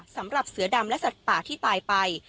สำหรับเสือดำและสัตว์ป่าที่ตายไป